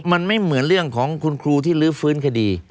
มันไม่เหมือนเรื่องของคุณครูที่ลื้อฟื้นคดี